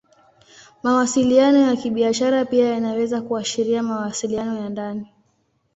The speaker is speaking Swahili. Mawasiliano ya Kibiashara pia yanaweza kuashiria mawasiliano ya ndani.